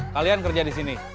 kalian kerja di sini